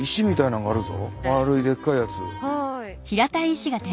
まるいでっかいやつ。